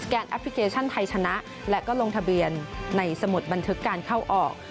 แอปพลิเคชันไทยชนะและก็ลงทะเบียนในสมุดบันทึกการเข้าออก